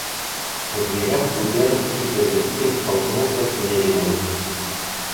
В дверях губернский предводитель столкнулся с Левиным.